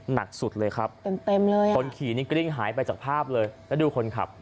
หนักสุดเลยครับเต็มเต็มเลยคนขี่นี่กริ้งหายไปจากภาพเลยแล้วดูคนขับ